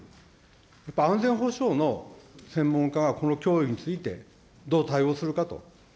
やっぱり安全保障の専門家が、この脅威についてどう対応するかと。